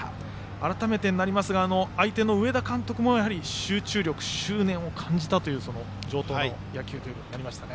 改めてになりますが相手の上田監督もやはり集中力執念を感じたという城東の野球となりましたね。